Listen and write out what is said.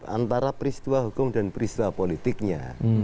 antara peristiwa hukum dan peristiwa politiknya